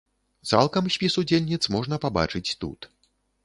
Цалкам спіс удзельніц можна пабачыць тут.